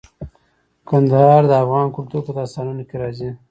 کندهار د افغان کلتور په داستانونو کې راځي.